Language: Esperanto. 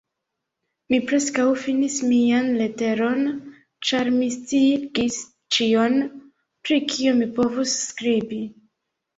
Mi preskaŭ finis mian leteron, ĉar mi sciigis ĉion, pri kio mi povus skribi.